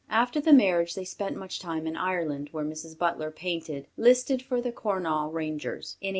After the marriage they spent much time in Ireland, where Mrs. Butler painted "Listed for the Connaught Rangers" in 1879.